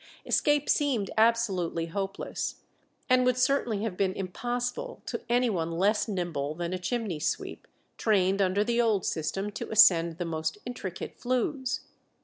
Escape seemed absolutely hopeless, and would certainly have been impossible to any one less nimble than a chimney sweep, trained under the old system to ascend the most intricate flues.